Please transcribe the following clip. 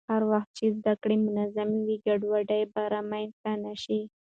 هر وخت چې زده کړه منظم وي، ګډوډي به رامنځته نه شي.